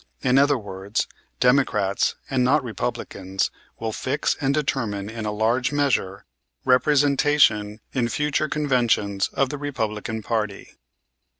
In other words, Democrats, and not Republicans, will fix and determine in a large measure, representation in future Conventions of the Republican party.